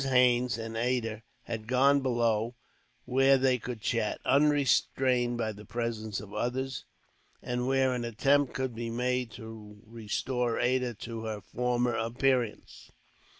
Haines and Ada had gone below, where they could chat, unrestrained by the presence of others; and where an attempt could be made to restore Ada to her former appearance.